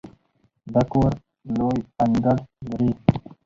دا کور لوی انګړ لري.